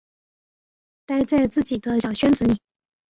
待在自己的小圈子里